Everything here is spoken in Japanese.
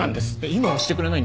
今はしてくれないんですか？